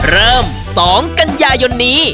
เริ่ม๒กันยายนนี้